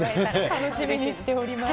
楽しみにしております。